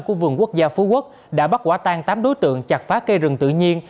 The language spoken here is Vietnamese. của vườn quốc gia phú quốc đã bắt quả tan tám đối tượng chặt phá cây rừng tự nhiên